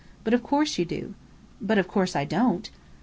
But of course you do." "But of course I don't."